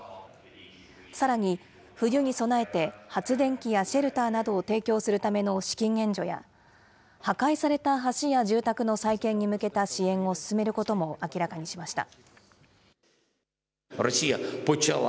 さらに、冬に備えて発電機やシェルターなどを提供するための資金援助や、破壊された橋や住宅の再建に向けた支援を進めることも明らかにしました。